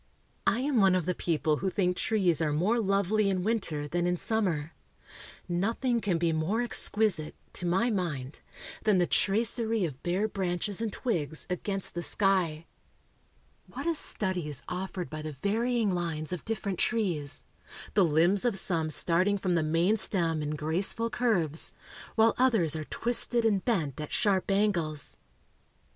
I am one of the people who think trees are more lovely in winter than in summer. Nothing can be more exquisite, to my mind, than the tracery of bare branches and twigs against the sky. What a study is offered by the varying lines of different trees the limbs of some starting from the main stem in graceful curves, while others are twisted and bent at sharp angles.